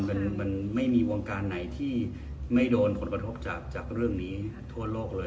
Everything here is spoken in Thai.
มันไม่มีวงการไหนที่ไม่โดนผลกระทบจากเรื่องนี้ทั่วโลกเลย